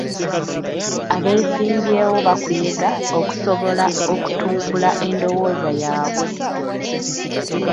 Abeesimbyewo bakuyega okusobola okutumbula endowooza yaabwe.